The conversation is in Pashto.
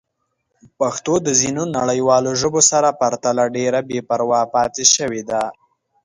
پښتو د ځینو نړیوالو ژبو سره پرتله ډېره بې پروا پاتې شوې ده.